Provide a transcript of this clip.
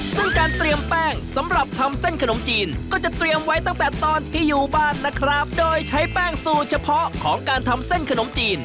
ซึ่งการเตรียมแป้งสำหรับทำเส้นขนมจีนก็จะเตรียมไว้ตั้งแต่ตอนที่อยู่บ้านนะครับโดยใช้แป้งสูตรเฉพาะของการทำเส้นขนมจีน